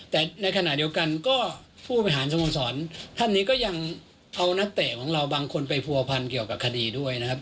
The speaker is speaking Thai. แต่ในขณะเดียวกันก็ผู้บริหารสโมสรท่านนี้ก็ยังเอานักเตะของเราบางคนไปผัวพันเกี่ยวกับคดีด้วยนะครับ